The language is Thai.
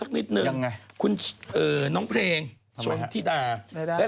หยุดแดงเนียร์